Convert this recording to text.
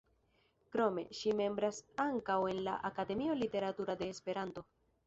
Krome, ŝi membras ankaŭ en la Akademio Literatura de Esperanto.